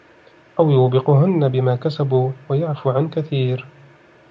أَوْ يُوبِقْهُنَّ بِمَا كَسَبُوا وَيَعْفُ عَنْ كَثِيرٍ